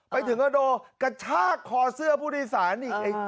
ไปถึงคอนโดกระชากคอเสื้อผู้นวยศาล